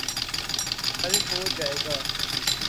حل ہو جائے گا۔